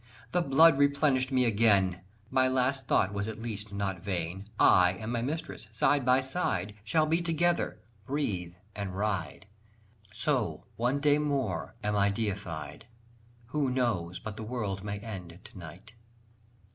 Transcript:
The blood replenished me again; My last thought was at least not vain: I and my mistress, side by side Shall be together, breathe and ride, So, one day more am I deified Who knows but the world may end to night?